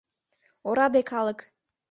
— Ораде калык!